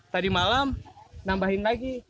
tadi malam nambahin lagi